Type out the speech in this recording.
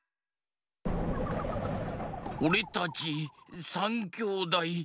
おれたち３きょうだい。